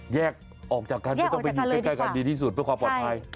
แยกออกจากกันไม่ต้องไปอยู่ใกล้กันดีที่สุดเพื่อความปลอดภัย